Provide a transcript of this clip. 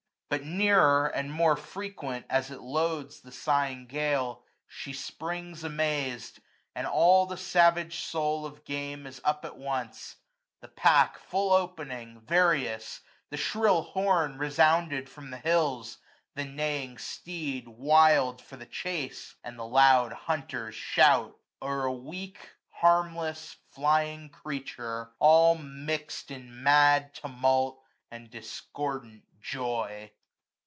But nearer, and more frequent, as it loads The sighing gale, she springs amaz'd ; and all The savage soul of game is up at once : 420 The pack full opening, various ; the shrill horn Resounded from the hills ; the neighing steed. Wild for the chase ; and the loud hunters shout ; 0*er a weak, harmless, flying creature, all Mix'd in mad tumult, and discordant joy.